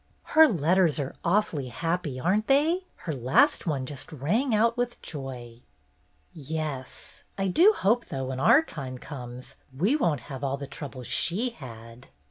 "Her letters are awfully happy, are n't they ? Her last one just rang with joy." "Yes. I do hope, though, when our time comes, we won't have all the trouble she had."